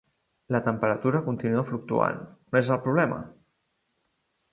La temperatura continua fluctuant, on és el problema?